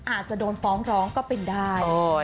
อาจจะโดนฟ้องร้องก็เป็นได้